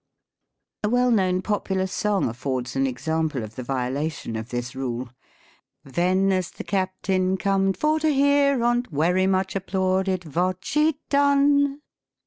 79 A well known popular song affords an example of the violation of this rule. " Ven as the Captain corned for to hear on't, Wery much applauded vot she'd done."